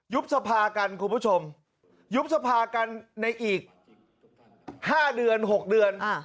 สภากันคุณผู้ชมยุบสภากันในอีก๕เดือน๖เดือน